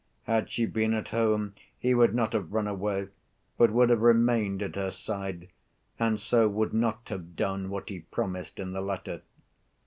Had she been at home, he would not have run away, but would have remained at her side, and so would not have done what he promised in the letter.